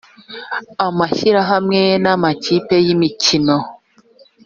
amashyirahamwe n amakipe y imikino